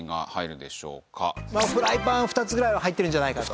フライパン２つぐらいは入ってるんじゃないかと。